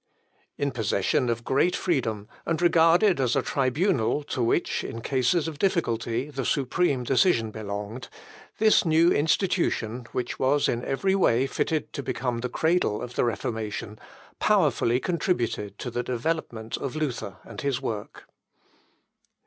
In possession of great freedom, and regarded as a tribunal to which, in cases of difficulty, the supreme decision belonged, this new institution, which was in every way fitted to become the cradle of the Reformation, powerfully contributed to the development of Luther and his work.